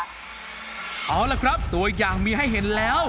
ทั้งตัวอย่างมีให้เห็นแล้ว